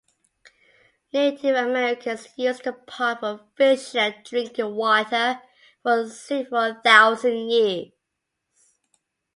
Native Americans used the pond for fishing and drinking water for several thousand years.